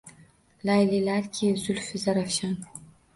Laylilarki – zulfi Zarafshon.